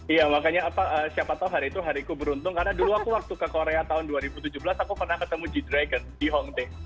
iya makanya siapa tahu hari itu hariku beruntung karena dulu aku waktu ke korea tahun dua ribu tujuh belas aku pernah ketemu g dragon di hongdae